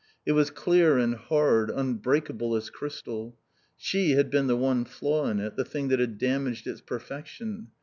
It was clear and hard, unbreakable as crystal. She had been the one flaw in it, the thing that had damaged its perfection.